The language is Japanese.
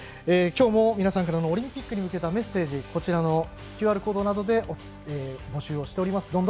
今日も皆さんからのオリンピックへ向けたメッセージをＱＲコードなどで募集しております。